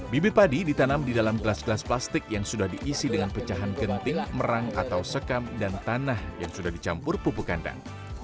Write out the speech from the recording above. bibit padi ditanam di dalam gelas gelas plastik yang sudah diisi dengan pecahan genting merang atau sekam dan tanah yang sudah dicampur pupuk kandang